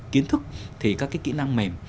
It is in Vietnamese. kiến thức thì các cái kỹ năng mềm